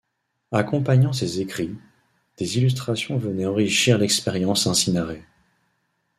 Accompagnant ces écrits, des illustrations venaient enrichir l'expérience ainsi narrée.